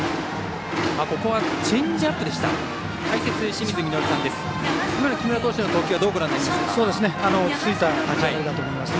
ここはチェンジアップでした。